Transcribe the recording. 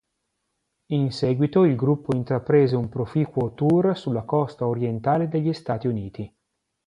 In seguito il gruppo intraprese un proficuo "tour" sulla costa orientale degli Stati Uniti.